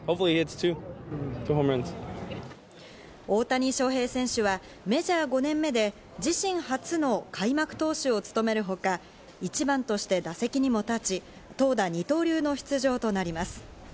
大谷翔平選手はメジャー５年目で自身初の開幕投手を務めるほか、１番として打席にも立ち、投打二刀流の出場となります。